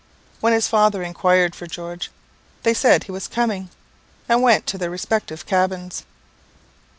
When his father inquired for George, they said he was coming, and went to their respective cabins.